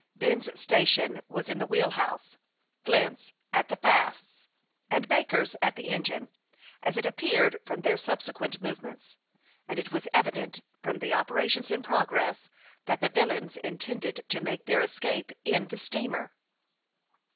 Ben's station was in the wheel house, Flint's at the fasts, and Baker's at the engine, as it appeared from their subsequent movements ; and it was evident, from THE YOUNG PILOT OF LAKE CHAMPLAIX. 285 the operations in progress, that the villains intended to make their escape in the steamer.